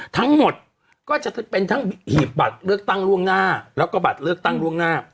ทั้งหมดก็จะเป็นทั้งหีบบัตรเลือกตั้งล่วงหน้าแล้วก็บัตรเลือกตั้งล่วงหน้า